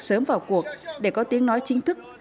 sớm vào cuộc để có tiếng nói chính thức